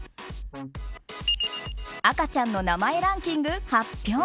赤ちゃんの名前ランキング発表。